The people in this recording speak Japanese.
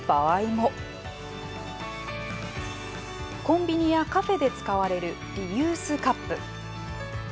コンビニやカフェで使われるリユースカップ。